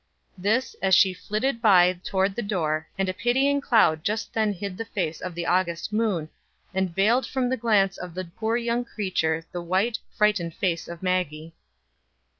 This, as she flitted by toward the door; and a pitying cloud just then hid the face of the August moon, and vailed from the glance of the poor young creature the white, frightened face of Maggie.